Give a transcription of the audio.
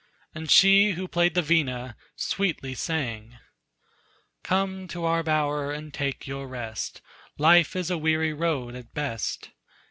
And she who played the vina sweetly sang; "Come to our bower and take your rest Life is a weary road at best.